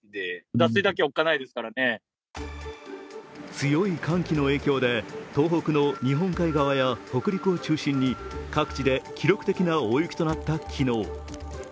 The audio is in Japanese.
強い寒気の影響で東北の日本海側や北陸を中心に各地で記録的な大雪となった昨日。